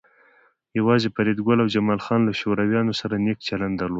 یوازې فریدګل او جمال خان له شورویانو سره نیک چلند درلود